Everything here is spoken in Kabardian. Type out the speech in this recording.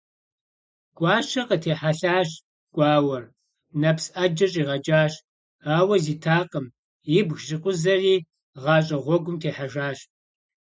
Гуащэ къытехьэлъащ гуауэр, нэпс Ӏэджэ щӀигъэкӀащ, ауэ зитакъым, – ибг щӀикъузэри гъащӀэ гъуэгум техьэжащ.